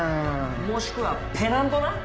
もしくはペナントな？